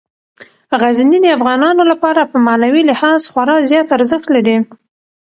غزني د افغانانو لپاره په معنوي لحاظ خورا زیات ارزښت لري.